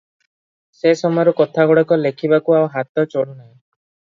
ସେ ସମୟର କଥାଗୁଡ଼ାକ ଲେଖିବାକୁ ଆଉ ହାତ ଚଳୁ ନାହିଁ ।